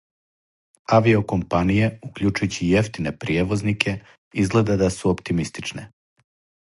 Авио компаније, укључујући и јефтине пријевознике, изгледа да су оптимистичне.